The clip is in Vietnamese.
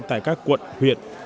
tại các quận huyện